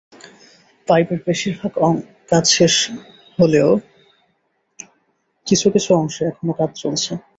পাইপের বেশির ভাগ কাজ শেষ হলেও কিছু কিছু অংশে এখনো কাজ চলছে।